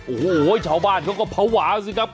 โอ้โหชาวบ้านเขาก็ภาวะสิครับ